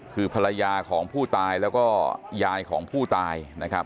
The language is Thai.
คือภรรยาของผู้ตายแล้วก็ยายของผู้ตายนะครับ